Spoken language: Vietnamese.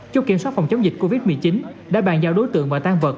chốt kiểm soát phòng chống dịch covid một mươi chín đã bàn giao đối tượng và tan vật